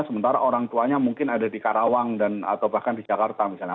sementara orang tuanya mungkin ada di karawang dan atau bahkan di jakarta misalnya